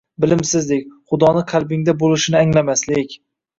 Bilimsizlik, xudoni qalbingda boʻlishini anglamaslik